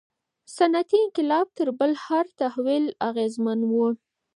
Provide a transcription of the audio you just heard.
صنعتي انقلاب تر بل هر تحول اغیزمن و.